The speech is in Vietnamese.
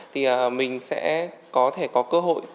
thì mình sẽ có thể có cơ hội